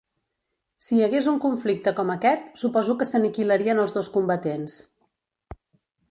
Si hi hagués un conflicte com aquest, suposo que s'aniquilarien els dos combatents.